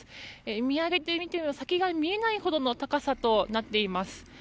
見上げてみても先が見えないほどの高さとなっています。